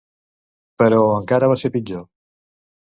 Però encara va ser pitjor.